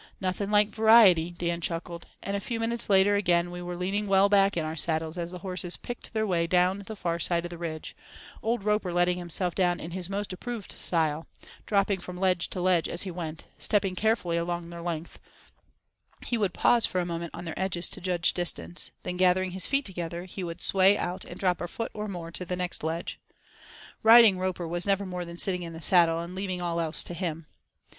"Nothing like variety," Dan chuckled; and a few minutes later again we were leaning well back in our saddles as the horses picked their way down the far side of the ridge, old Roper letting himself down in his most approved style; dropping from ledge to ledge as he went, stepping carefully along their length, he would pause for a moment on their edges to judge distance, then, gathering his feet together, he would sway out and drop a foot or more to the next ledge. Riding Roper was never more than sitting in the saddle and leaving all else to him.